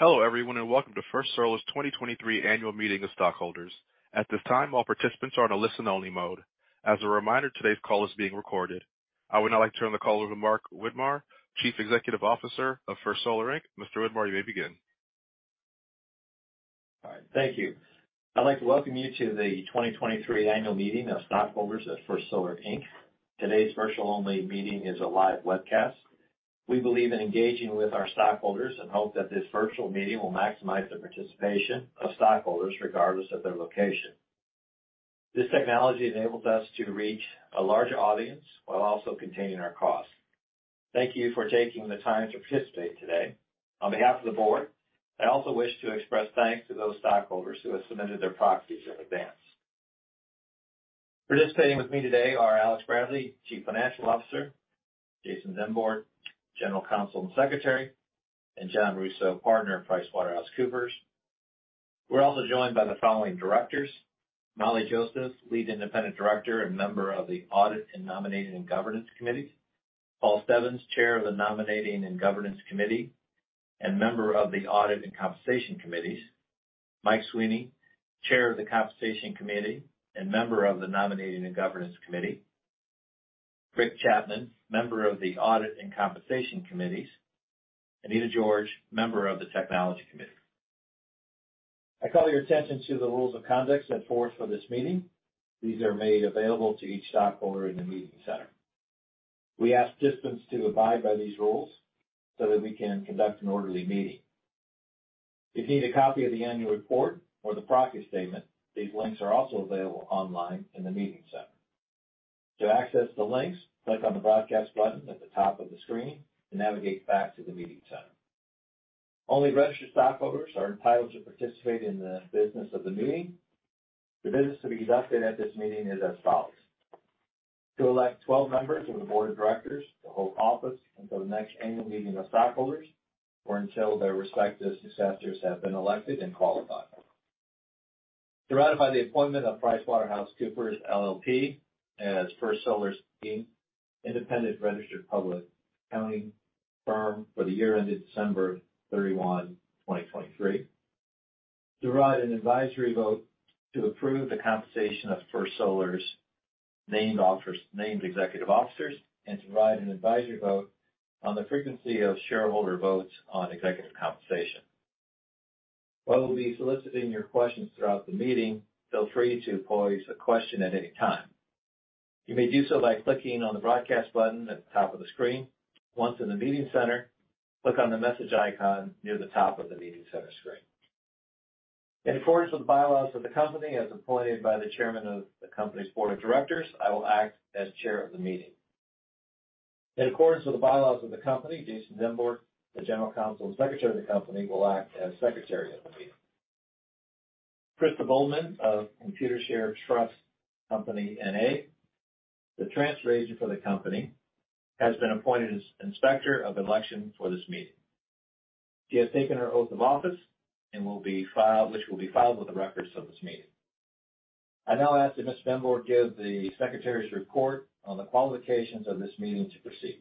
Hello, everyone. Welcome to First Solar's 2023 Annual Meeting of Stockholders. At this time, all participants are on a listen-only mode. As a reminder, today's call is being recorded. I would now like to turn the call over to Mark Widmar, Chief Executive Officer of First Solar, Inc. Mr. Widmar, you may begin. All right. Thank you. I'd like to welcome you to the 2023 Annual Meeting of Stockholders at First Solar, Inc. Today's virtual-only meeting is a live webcast. We believe in engaging with our stockholders and hope that this virtual meeting will maximize the participation of stockholders regardless of their location. This technology enables us to reach a larger audience while also containing our costs. Thank you for taking the time to participate today. On behalf of the board, I also wish to express thanks to those stockholders who have submitted their proxies in advance. Participating with me today are Alex Bradley, Chief Financial Officer, Jason Dymbort, General Counsel and Secretary, and John Russo, Partner of PricewaterhouseCoopers. We're also joined by the following directors, Molly Joseph, Lead Independent Director and member of the Audit and Nominating and Governance Committees, Paul Stevens, Chair of the Nominating and Governance Committee and member of the Audit and Compensation Committees, Mike Sweeney, Chair of the Compensation Committee and member of the Nominating and Governance Committee, Rick Chapman, member of the Audit and Compensation Committees, Anita George, member of the Technology Committee. I call your attention to the rules of conduct set forth for this meeting. These are made available to each stockholder in the meeting center. We ask participants to abide by these rules so that we can conduct an orderly meeting. If you need a copy of the annual report or the proxy statement, these links are also available online in the meeting center. To access the links, click on the Broadcast button at the top of the screen to navigate back to the meeting center. Only registered stockholders are entitled to participate in the business of the meeting. The business to be conducted at this meeting is as follows. To elect 12 members of the board of directors to hold office until the next annual meeting of stockholders or until their respective successors have been elected and qualified. To ratify the appointment of PricewaterhouseCoopers LLP as First Solar's team, independent registered public accounting firm for the year ended December 31, 2023, to write an advisory vote to approve the compensation of First Solar's named executive officers to write an advisory vote on the frequency of shareholder votes on executive compensation. While we'll be soliciting your questions throughout the meeting, feel free to pose a question at any time. You may do so by clicking on the Broadcast button at the top of the screen. Once in the meeting center, click on the message icon near the top of the meeting center screen. In accordance with the bylaws of the company, as appointed by the chairman of the company's board of directors, I will act as chair of the meeting. In accordance with the bylaws of the company, Jason Dymbort the General Counsel and Secretary of the company, will act as Secretary of the meeting. Krista Bollmann of Computershare Trust Company, N.A., the transfer agent for the company, has been appointed as Inspector of Election for this meeting. She has taken her oath of office which will be filed with the records of this meeting. I now ask that Mr. Zembor give the secretary's report on the qualifications of this meeting to proceed.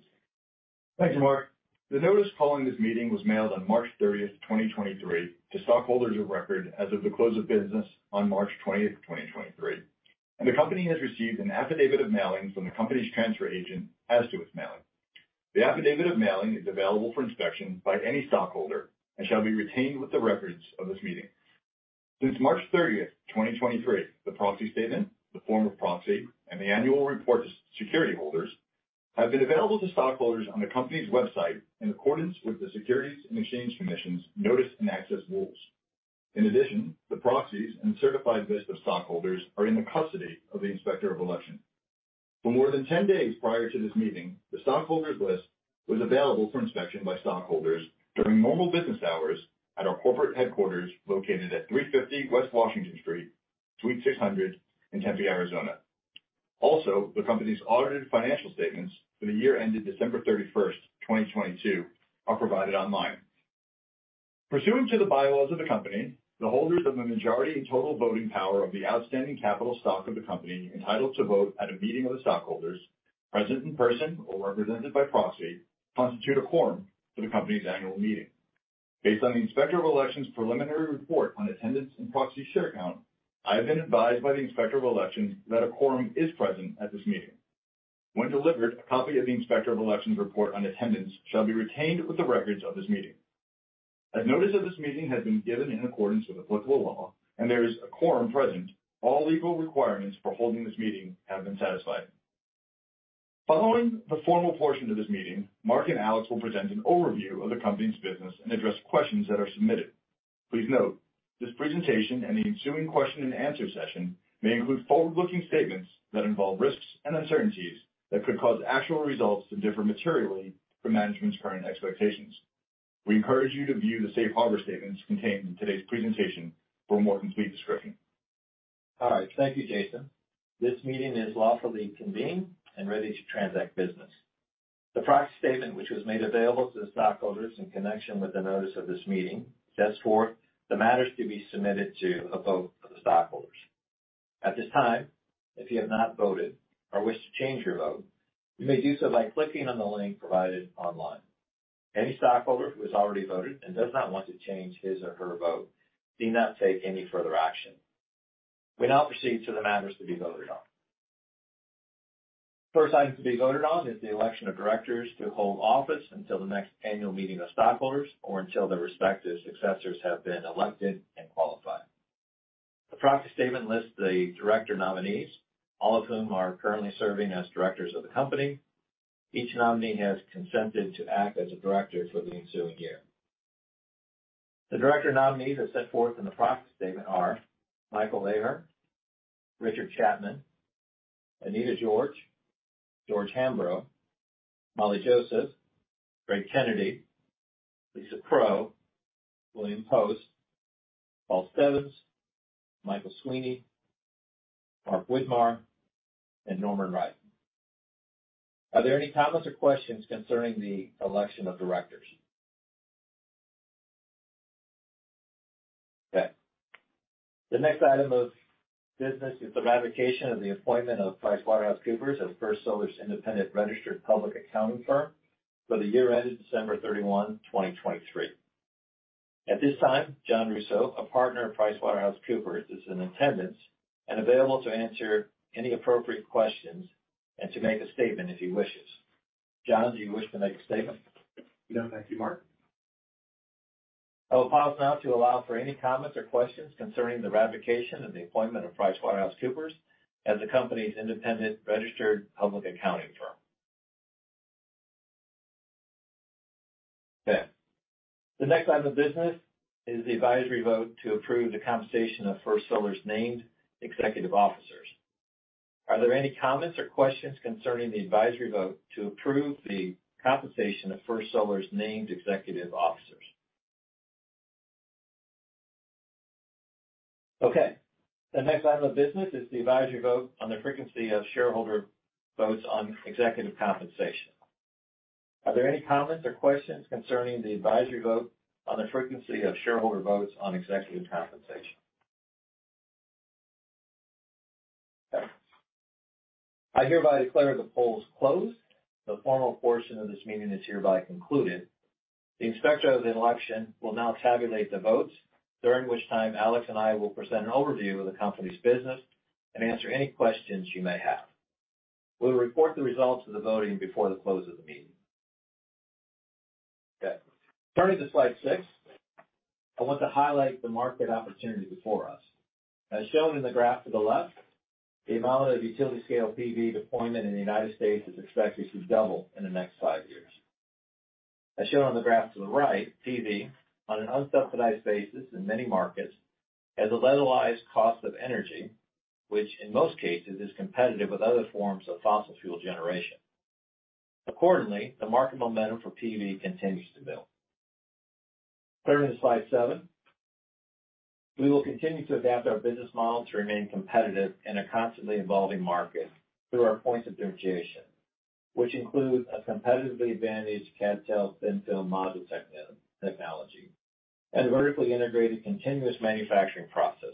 Thank you, Mark.The notice calling this meeting was mailed on March 30, 2023 to stockholders of record as of the close of business on March 20, 2023, and the company has received an affidavit of mailing from the company's transfer agent as to its mailing. The affidavit of mailing is available for inspection by any stockholder and shall be retained with the records of this meeting. Since March 30, 2023, the proxy statement, the form of proxy, and the annual report to security holders have been available to stockholders on the company's website in accordance with the Securities and Exchange Commission's Notice and Access rules. In addition, the proxies and certified list of stockholders are in the custody of the Inspector of Election. For more than 10 days prior to this meeting, the stockholders' list was available for inspection by stockholders during normal business hours at our corporate headquarters located at 350 West Washington Street, Suite 600 in Tempe, Arizona. The company's audited financial statements for the year ended December 31st, 2022, are provided online. Pursuant to the bylaws of the company, the holders of the majority and total voting power of the outstanding capital stock of the company entitled to vote at a meeting of the stockholders, present in person or represented by proxy, constitute a quorum for the company's annual meeting. Based on the Inspector of Election's preliminary report on attendance and proxy share count, I have been advised by the Inspector of Election that a quorum is present at this meeting. When delivered, a copy of the Inspector of Election's report on attendance shall be retained with the records of this meeting. As notice of this meeting has been given in accordance with applicable law and there is a quorum present, all legal requirements for holding this meeting have been satisfied. Following the formal portion of this meeting, Mark and Alex will present an overview of the company's business and address questions that are submitted. Please note, this presentation and the ensuing question-and-answer session may include forward-looking statements that involve risks and uncertainties that could cause actual results to differ materially from management's current expectations. We encourage you to view the safe harbor statements contained in today's presentation for a more complete description. All right. Thank you, Jason. This meeting is lawfully convened and ready to transact business. The proxy statement, which was made available to the stockholders in connection with the notice of this meeting, sets forth the matters to be submitted to a vote of the stockholders. At this time, if you have not voted or wish to change your vote, you may do so by clicking on the link provided online. Any stockholder who has already voted and does not want to change his or her vote need not take any further action. We now proceed to the matters to be voted on. First item to be voted on is the election of directors to hold office until the next annual meeting of stockholders or until their respective successors have been elected and qualified. The proxy statement lists the director nominees, all of whom are currently serving as directors of the company. Each nominee has consented to act as a director for the ensuing year. The director nominees as set forth in the proxy statement are Michael Ahearn, Richard Chapman, Anita George, George Hambro, Molly Joseph, Craig Kennedy, Lisa Krueger William J. Post, Paul Stevens, Michael Sweeney, Mark Widmar, and Norman Wright. Are there any comments or questions concerning the election of directors? Okay. The next item of business is the ratification of the appointment of PricewaterhouseCoopers as First Solar's independent registered public accounting firm for the year ended December 31, 2023. At this time, John Russo, a partner of PricewaterhouseCoopers, is in attendance and available to answer any appropriate questions and to make a statement if he wishes. John, do you wish to make a statement? No, thank you, Mark. I will pause now to allow for any comments or questions concerning the ratification of the appointment of PricewaterhouseCoopers as the company's independent registered public accounting firm. Okay. The next item of business is the advisory vote to approve the compensation of First Solar's named executive officers. Are there any comments or questions concerning the advisory vote to approve the compensation of First Solar's named executive officers? Okay.The next item of business is the advisory vote on the frequency of shareholder votes on executive compensation. Are there any comments or questions concerning the advisory vote on the frequency of shareholder votes on executive compensation? Okay. I hereby declare the polls closed. The formal portion of this meeting is hereby concluded. The inspector of the election will now tabulate the votes, during which time Alex and I will present an overview of the company's business and answer any questions you may have. We'll report the results of the voting before the close of the meeting. Okay. Turning to slide six, I want to highlight the market opportunity before us. As shown in the graph to the left, the amount of utility-scale PV deployment in the United States is expected to double in the next five years. As shown on the graph to the right, PV, on an unsubsidized basis in many markets, has a levelized cost of energy, which in most cases is competitive with other forms of fossil fuel generation. Accordingly, the market momentum for PV continues to build. Turning to slide seven we will continue to adapt our business model to remain competitive in a constantly evolving market through our points of differentiation, which include a competitively advantaged CadTel thin-film module technology and vertically integrated continuous manufacturing process.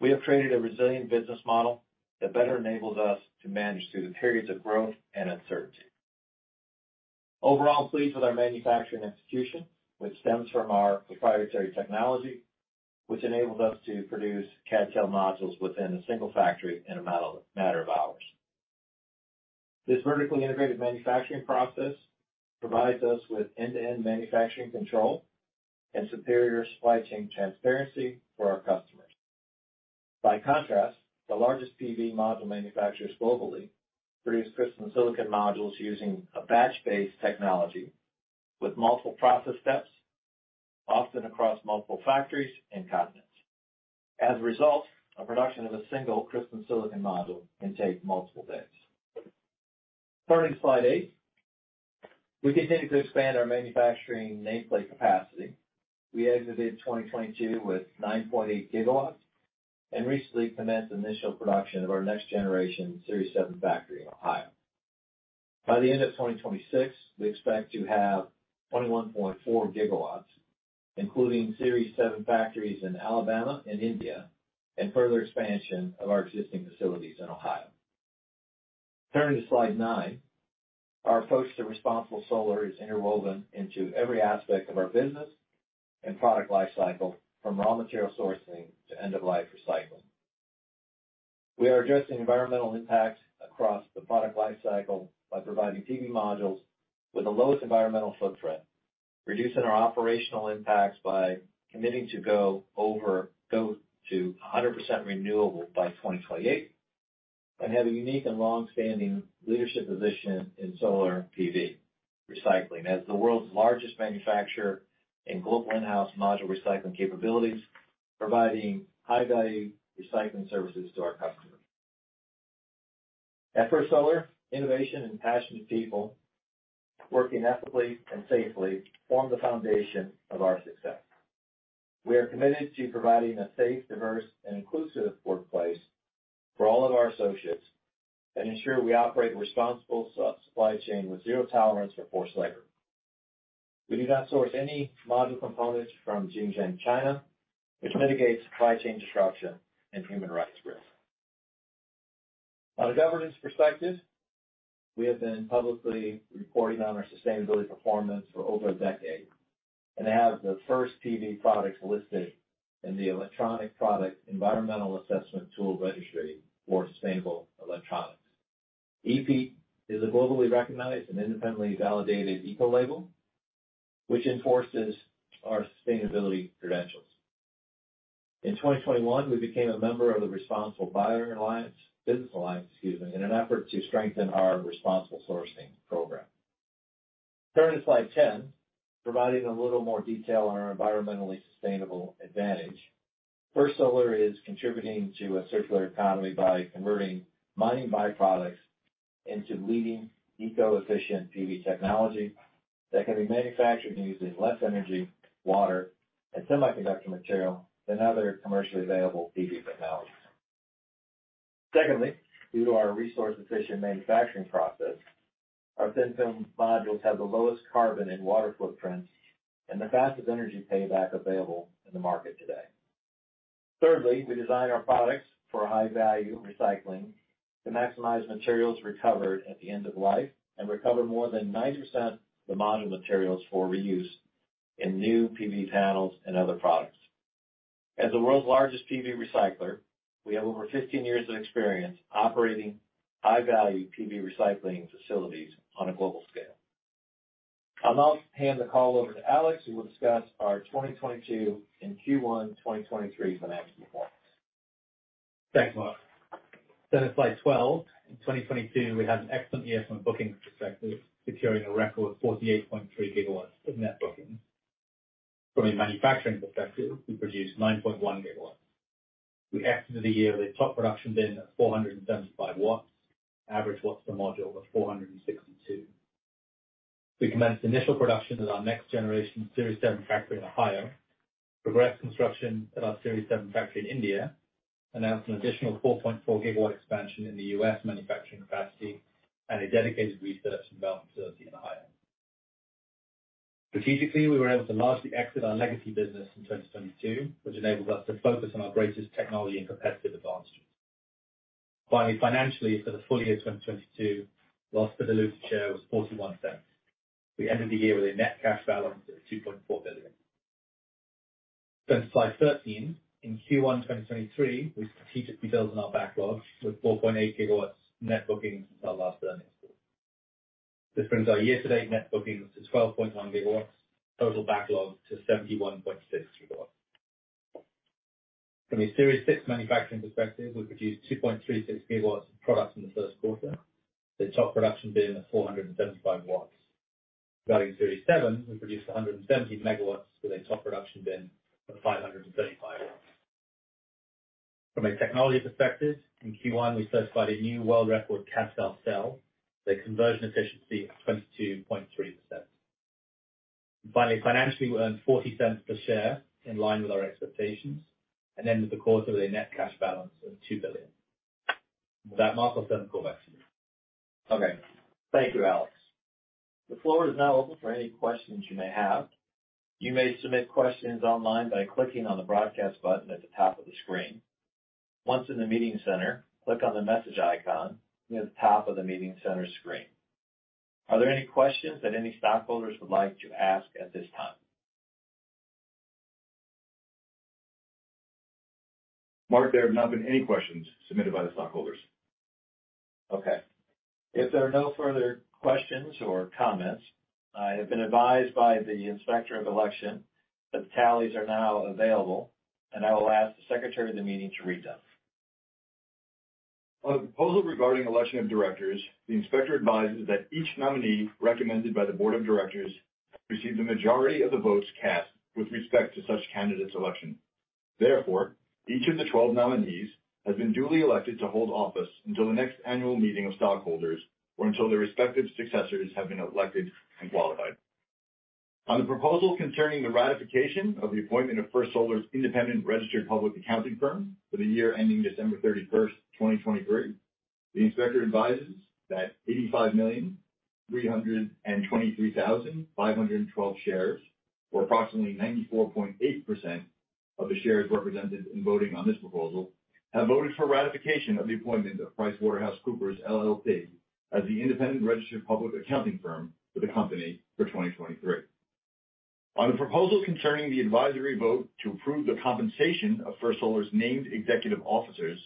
We have created a resilient business model that better enables us to manage through the periods of growth and uncertainty. Overall, I'm pleased with our manufacturing execution, which stems from our proprietary technology, which enables us to produce CadTel modules within a single factory in a matter of hours. This vertically integrated manufacturing process provides us with end-to-end manufacturing control and superior supply chain transparency for our customers. By contrast, the largest PV module manufacturers globally produce crystalline silicon modules using a batch-based technology with multiple process steps, often across multiple factories and continents. As a result, a production of a single crystalline silicon module can take multiple days. Turning to slide eight, we continue to expand our manufacturing nameplate capacity. We exited 2022 with 9.8 GW and recently commenced initial production of our next generation Series seven factory in Ohio. By the end of 2026, we expect to have 21.4 GW, including Series seven factories in Alabama and India, and further expansion of our existing facilities in Ohio. Turning to slide 9, our approach to responsible solar is interwoven into every aspect of our business and product lifecycle, from raw material sourcing to end-of-life recycling. We are addressing environmental impact across the product lifecycle by providing PV modules with the lowest environmental footprint, reducing our operational impacts by committing to go to 100% renewable by 2028, and have a unique and long-standing leadership position in solar PV recycling as the world's largest manufacturer in global in-house module recycling capabilities, providing high-value recycling services to our customers. At First Solar, innovation and passionate people working ethically and safely form the foundation of our success. We are committed to providing a safe, diverse, and inclusive workplace for all of our associates and ensure we operate a responsible supply chain with zero tolerance for forced labor. We do not source any module components from Xinjiang, China, which mitigates supply chain disruption and human rights risk. On a governance perspective, we have been publicly reporting on our sustainability performance for over a decade and have the first PV products listed in the Electronic Product Environmental Assessment Tool registry for sustainable electronics. EPEAT is a globally recognized and independently validated eco-label which enforces our sustainability credentials. In 2021, we became a member of the Responsible Business Alliance, excuse me, in an effort to strengthen our responsible sourcing program. Turning to slide 10. Providing a little more detail on our environmentally sustainable advantage. First Solar is contributing to a circular economy by converting mining byproducts into leading eco-efficient PV technology that can be manufactured using less energy, water, and semiconductor material than other commercially available PV technologies. Secondly, due to our resource-efficient manufacturing process, our thin-film modules have the lowest carbon and water footprints and the fastest energy payback available in the market today. Thirdly, we design our products for high-value recycling to maximize materials recovered at the end of life and recover more than 90% of the module materials for reuse in new PV panels and other products. As the world's largest PV recycler, we have over 15 years of experience operating high-value PV recycling facilities on a global scale. I'll now hand the call over to Alex, who will discuss our 2022 and Q1 2023 financial performance. Thanks, Mark. Turning to slide 12. In 2022, we had an excellent year from a bookings perspective, securing a record 48.3 gigawatts of net bookings. From a manufacturing perspective, we produced 9.1 gigawatts. We exited the year with a top production bin of 475 watts. Average watts per module was 462. We commenced initial production at our next generation Series seven factory in Ohio, progressed construction at our Series seven factory in India, announced an additional 4.4 gigawatt expansion in the U.S. manufacturing capacity and a dedicated research and development facility in Ohio. Strategically, we were able to largely exit our legacy business in 2022, which enabled us to focus on our greatest technology and competitive advantages. Finally, financially, for the full year 2022, loss per diluted share was $0.41. We ended the year with a net cash balance of $2.4 billion. Turn to slide 13. In Q1 2023, we strategically built on our backlog with 4.8 gigawatts net bookings since our last earnings call. This brings our year-to-date net bookings to 12.1 gigawatts, total backlog to 71.6 gigawatts. From a Series 6 manufacturing perspective, we produced 2.36 gigawatts of products in the Q1, with top production being at 475 watts. Regarding Series seven, we produced 170 megawatts with a top production bin of 535 watts. From a technology perspective, in Q1 we certified a new world record CdTe cell, with a conversion efficiency of 22.3%. financially, we earned $0.40 per share in line with our expectations, and ended the quarter with a net cash balance of $2 billion. With that, Mark, I'll turn the call back to you. Okay. Thank you, Alex. The floor is now open for any questions you may have. You may submit questions online by clicking on the Broadcast button at the top of the screen. Once in the meeting center, click on the message icon near the top of the meeting center screen. Are there any questions that any stockholders would like to ask at this time? Mark, there have not been any questions submitted by the stockholders. Okay. If there are no further questions or comments, I have been advised by the Inspector of Election that the tallies are now available, and I will ask the secretary of the meeting to read them. On the proposal regarding election of directors, the inspector advises that each nominee recommended by the board of directors received the majority of the votes cast with respect to such candidate's election. Each of the 12 nominees has been duly elected to hold office until the next annual meeting of stockholders or until their respective successors have been elected and qualified. On the proposal concerning the ratification of the appointment of First Solar's independent registered public accounting firm for the year ending December 31st, 2023, the inspector advises that 85,323,512 shares, or approximately 94.8% of the shares represented in voting on this proposal, have voted for ratification of the appointment of PricewaterhouseCoopers LLP as the independent registered public accounting firm for the company for 2023. On the proposal concerning the advisory vote to approve the compensation of First Solar's named executive officers,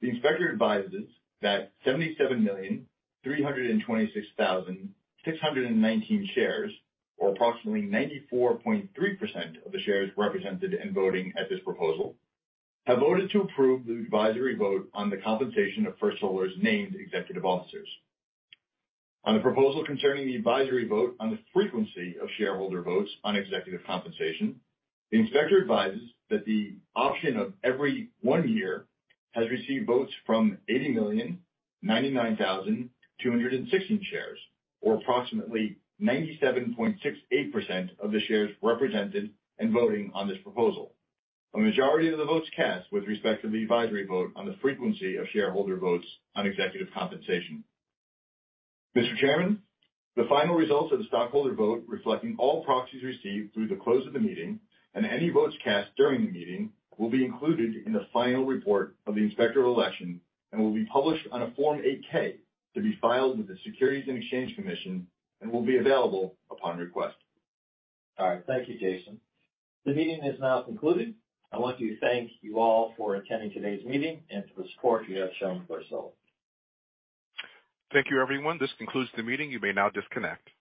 the inspector advises that 77,326,619 shares, or approximately 94.3% of the shares represented in voting at this proposal, have voted to approve the advisory vote on the compensation of First Solar's named executive officers. On the proposal concerning the advisory vote on the frequency of shareholder votes on executive compensation, the inspector advises that the option of every one year has received votes from 80,099,216 shares, or approximately 97.68% of the shares represented in voting on this proposal, a majority of the votes cast with respect to the advisory vote on the frequency of shareholder votes on executive compensation. Mr. Chairman, the final results of the stockholder vote, reflecting all proxies received through the close of the meeting and any votes cast during the meeting, will be included in the final report of the Inspector of Election and will be published on a Form eight-K to be filed with the Securities and Exchange Commission and will be available upon request. All right. Thank you, Jason. The meeting is now concluded. I want to thank you all for attending today's meeting and for the support you have shown for First Solar. Thank you, everyone. This concludes the meeting. You may now disconnect.